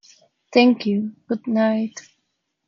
Thank you, good night.